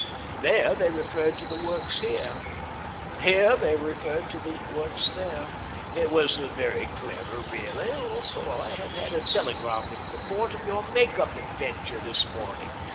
There they referred to the works here. Here they referred to the works there. It was very clever, really ! Also I have had a tele graphic report of your make up adventure this morning.